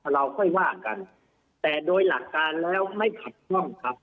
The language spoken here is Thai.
เราค่อยว่ากันแต่โดยหลักการแล้วไม่ขัดข้องครับ